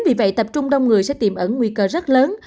vì vậy tập trung đông người sẽ tiềm ẩn nguy cơ rất lớn